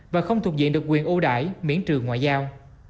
và không thuộc diện được quyền ưu đại miễn trừ ngoại giao